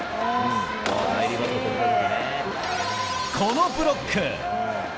このブロック。